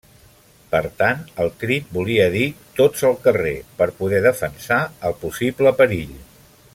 Per tant el crit volia dir tots al carrer, per poder defensar el possible perill.